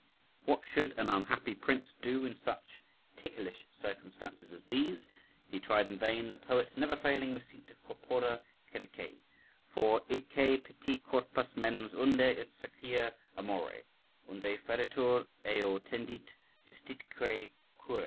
What should an unhappy prince do in such ticklish circumstances as these? He tried in vain the poet's never failing receipt of corpora quæque, for "Idque petit corpus mens unde est saucia amore; Unde feritur, eo tendit, gestitque coire."